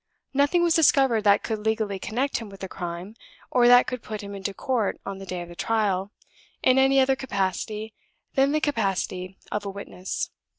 Nothing was discovered that could legally connect him with the crime, or that could put him into court on the day of the trial, in any other capacity than the capacity of a witness.